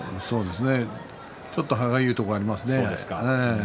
ちょっと歯がゆいところがありますね。